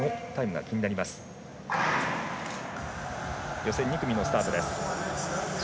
予選２組のスタート。